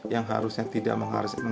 yang harusnya tidak mengharuskan baterai